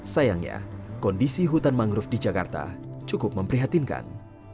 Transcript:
sayangnya kondisi hutan mangrove di jakarta cukup memprihatinkan